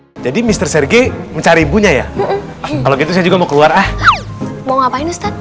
hai jadi mister sergei mencari ibunya ya kalau gitu saya juga mau keluar ah mau ngapain ustadz